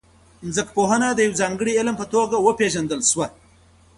ځمکپوهنه د یو ځانګړي علم په توګه وپیژندل سوه.